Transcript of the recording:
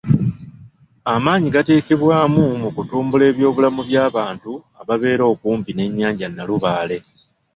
Amaanyi gateekebwamu mu kutumbula eby'obulamu by'abantu ababeera okumpi n'ennyanja Nalubaale.